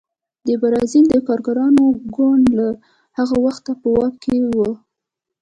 د بزازیل د کارګرانو ګوند له هغه وخته په واک کې دی.